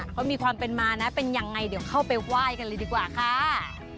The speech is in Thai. เขามีความเป็นมานะเป็นยังไงเดี๋ยวเข้าไปไหว้กันเลยดีกว่าค่ะ